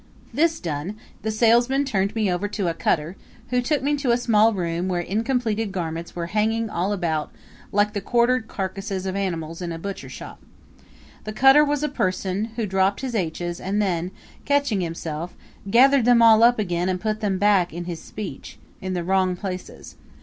This done, the salesman turned me over to a cutter, who took me to a small room where incompleted garments were hanging all about like the quartered carcasses of animals in a butcher shop. The cutter was a person who dropped his H's and then, catching himself, gathered them all up again and put them back in his speech in the wrong places.